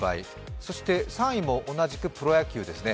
そして３位も同じくプロ野球ですね。